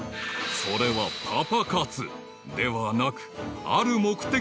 ［それはパパ活ではなく］